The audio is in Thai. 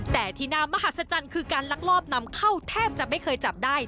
แต่ที่น่ามหัศจรรย์คือการลักลอบนำเข้าแทบจะไม่เคยจับได้